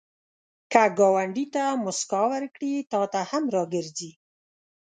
که ګاونډي ته مسکا ورکړې، تا ته هم راګرځي